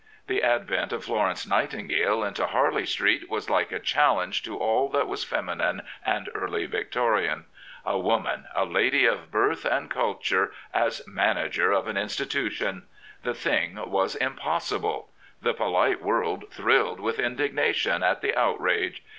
The advent of Florence Nightingale into Harley Street was like a challenge to all that was feminine and Early Victorian. A woman, a lady of birth and culture, as manager of an institution I The thing was impossible. The polite world thrilled with indigna tion at the outrage.